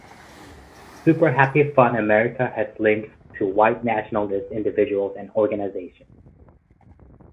Super Happy Fun America has links to white nationalist individuals and organizations.